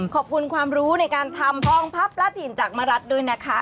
ขอบคุณความรู้ในการทำทองพับและถิ่นจากมรัฐด้วยนะคะ